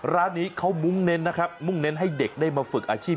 ร้านนี้เขามุ้งเน้นนะครับมุ่งเน้นให้เด็กได้มาฝึกอาชีพ